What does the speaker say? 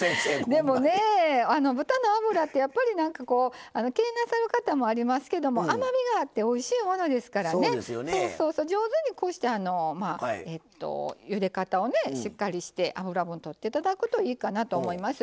でも、豚の脂ってやっぱり、気になさる方もありますけど甘みがあっておいしいものですからね上手にゆで方をしっかりして脂をとっていただくといいかなと思います。